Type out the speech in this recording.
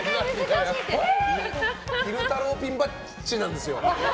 昼太郎ピンバッジなんですよ。